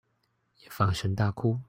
也放聲大哭